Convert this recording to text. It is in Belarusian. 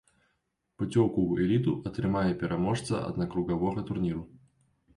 Пуцёўку ў эліту атрымае пераможца аднакругавога турніру.